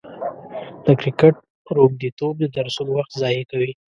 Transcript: د کرکټ روږديتوب د درسونو وخت ضايع کوي.